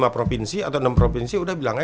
lima provinsi atau enam provinsi udah bilangnya